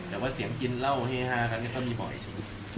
แต่ว่าเสียงกินเหล้าเฮฮากันก็มีบ่อยจริง